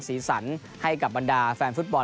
ศีลสรรค์ให้กับบรรดาแฟนฟื้ตบอล